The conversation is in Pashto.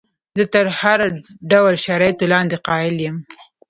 زه تر هر ډول شرایطو لاندې قایل یم.